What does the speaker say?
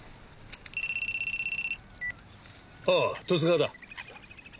ああ十津川だ。